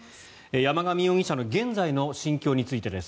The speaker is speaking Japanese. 山上容疑者の現在の心境についてです。